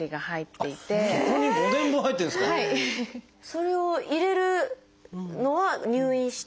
それを入れるのは入院して？